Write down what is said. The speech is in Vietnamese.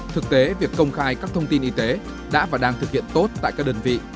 thực tế việc công khai các thông tin y tế đã và đang thực hiện tốt tại các đơn vị